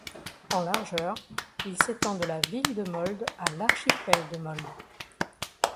En largeur, il s'étend de la ville de Molde à l'archipel de Molde.